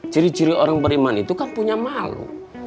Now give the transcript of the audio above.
ciri ciri orang beriman itu kan punya malu